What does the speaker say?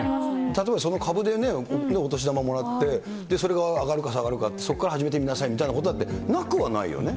例えばその株でね、お年玉もらって、それが上がるか下がるか、そこから始めてみなさいみたいなことだってなくはないよね。